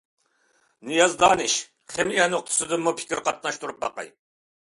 نىياز دانىش: خىمىيە نۇقتىسىدىنمۇ پىكىر قاتناشتۇرۇپ باقاي.